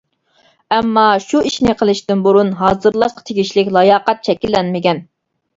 ئەمما شۇ ئىشنى قىلىشتىن بۇرۇن ھازىرلاشقا تېگىشلىك لاياقەت شەكىللەنمىگەن.